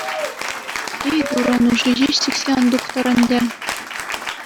Эй, Турӑ, нуши ҫеҫ сиксе ан тухтӑр ӗнтӗ.